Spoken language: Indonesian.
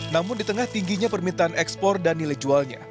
namun di tengah tingginya permintaan ekspor dan nilai jualnya